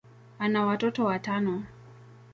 ana watoto watano.